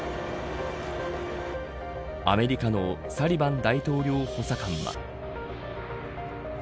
アメリカのサリバン大統領補佐官は。